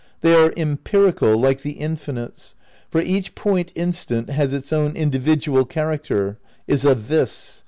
"They are empirical, like the infinites, for each point instant has its own individual character, is a 'this'.